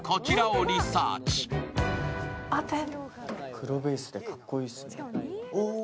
黒ベースでかっこいいですね。